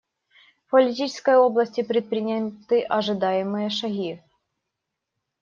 В политической области предприняты ожидаемые шаги.